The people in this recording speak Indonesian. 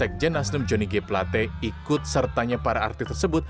sekjen nasdem jonny g plate ikut sertanya para artis tersebut